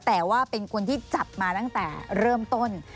แต่ว่าเป็นคนที่จับมาตั้งแต่เริ่มต้น